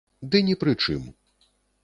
Ды ні пры чым.